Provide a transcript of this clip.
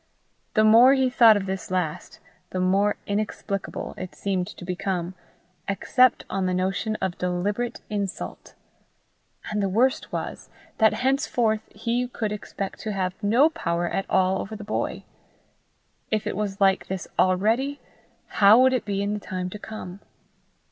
The more he thought of this last, the more inexplicable it seemed to become, except on the notion of deliberate insult. And the worst was, that henceforth he could expect to have no power at all over the boy! If it was like this already, how would it be in the time to come?